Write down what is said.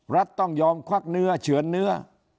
รัฐต้องยอมควักเนื้อเฉือนเนื้อ